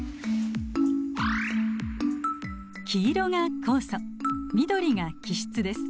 黄色が酵素緑が基質です。